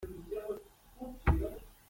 your physician to find further about them.